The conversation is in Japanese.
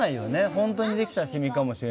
ホントにできた染みかもしれないし。